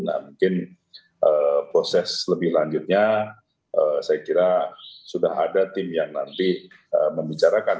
nah mungkin proses lebih lanjutnya saya kira sudah ada tim yang nanti membicarakan